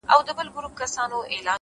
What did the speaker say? ستر فکر له محدودیتونو پورته وي؛